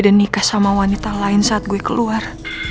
dan nikah sama wanita lain saat gue keluar